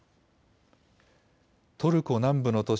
トルコ南部の都市